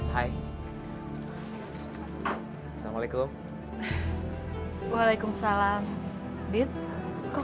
dan ia sudah masih bersempurna dengan percaya kamu